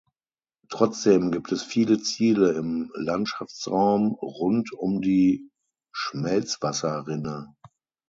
Trotzdem gibt es viele Ziele im Landschaftsraum rund um die Schmelzwasserrinne.